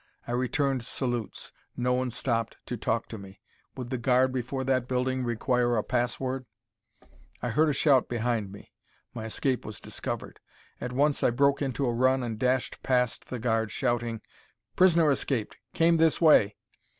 I returned salutes. No one stopped to talk to me. Would the guard before that building require a pass word? I heard a shout behind me. My escape was discovered! At once I broke into a run and dashed past the guard, shouting: "Prisoner escaped! Came this way!"